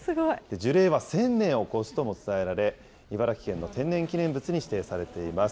樹齢は１０００年を超すとも伝えられ、茨城県の天然記念物に指定されています。